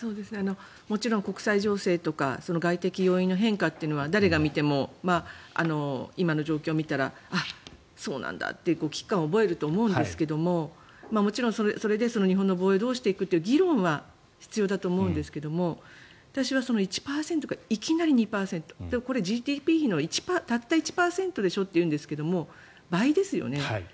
もちろん国際情勢とか外的要因の変化というのは誰が見ても今の状況を見たらそうなんだっていう危機感を覚えると思うんですがもちろんそれで日本の防衛をどうしていくかという議論は必要だと思うんですが私はその１％がいきなり２％これはＧＤＰのたった１％でしょって言うんですけど倍ですよね。